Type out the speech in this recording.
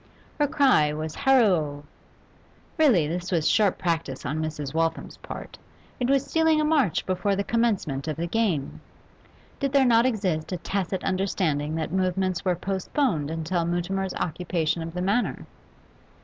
Her cry was haro! Really, this was sharp practice on Mrs. Waltham's part; it was stealing a march before the commencement of the game. Did there not exist a tacit understanding that movements were postponed until Mutimer's occupation of the Manor?